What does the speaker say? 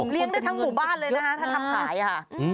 เลี้ยงได้ทั้งหมู่บ้านเลยนะคะถ้าทำขายค่ะ